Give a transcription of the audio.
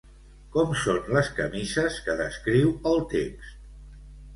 Com són les camises que descriu el text?